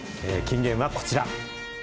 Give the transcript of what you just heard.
金言はこちら。